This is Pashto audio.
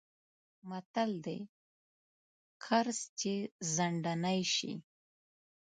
متل دی: قرض چې ځنډنی شی...